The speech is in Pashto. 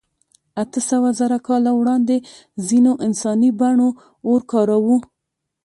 اتهسوهزره کاله وړاندې ځینو انساني بڼو اور کاراوه.